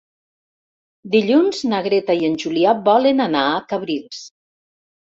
Dilluns na Greta i en Julià volen anar a Cabrils.